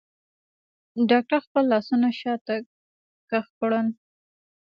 ډاکتر خپل لاسونه شاته کښ کړل.